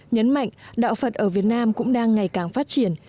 nhấn mạnh đạo phật ở việt nam cũng đang ngày càng phát triển